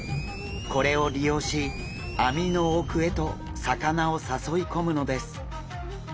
これを利用し網の奥へと魚を誘い込むのです。